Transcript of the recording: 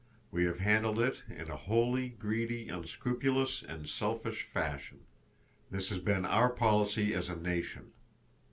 We have handled it in a wholly greedy, unscrupulous and selfish fashion. This has been our policy as a nation.